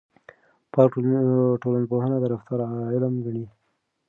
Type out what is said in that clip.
پارک ټولنپوهنه د رفتار علم ګڼي.